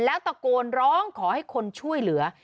แล้วตะโกนร้องขอให้คนช่วยเหลือ